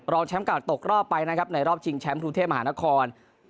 แชมป์เก่าตกรอบไปนะครับในรอบชิงแชมป์กรุงเทพมหานคร